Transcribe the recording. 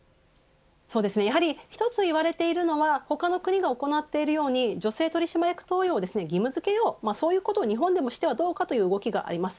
そうですねやはり一つ言われているのは他の国が行っているように女性取締役登用を義務付けよう、そういうことを日本ではしてはどうかという動きです。